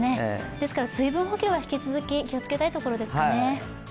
水分補給は引き続き気をつけたいところですね。